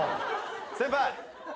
先輩。